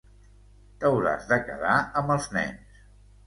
T’hauràs de quedar amb els nens.